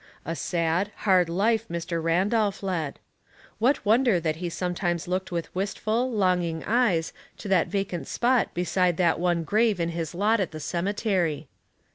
A sad, hard life Mr. Randolph led. What wonder that he sometimes looked with wistful, longing eyes to that vacant spot beside that one grave in his lot at the cemetery.